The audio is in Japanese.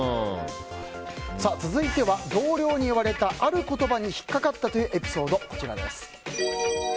続いては同僚に言われたある言葉に引っかかったというエピソードです。